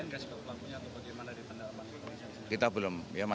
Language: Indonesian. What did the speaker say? berkaitan dengan pelakunya atau bagaimana di pendalaman